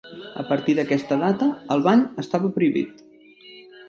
A partir d'aquesta data, el bany estava prohibit.